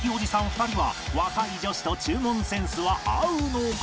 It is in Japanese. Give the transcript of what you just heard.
２人は若い女子と注文センスは合うのか？